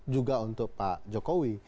juga untuk pak jokowi